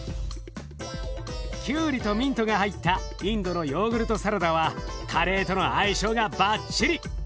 きゅうりとミントが入ったインドのヨーグルトサラダはカレーとの相性がバッチリ！